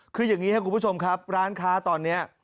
คืออย่างนี้ครับคุณผู้ชมครับร้านค้าตอนนี้